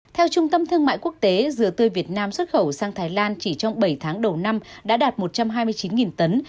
theo trung tâm thương mại quốc tế dừa tươi việt nam xuất khẩu sang thái lan chỉ trong bảy tháng đầu năm đã đạt một trăm hai mươi chín tấn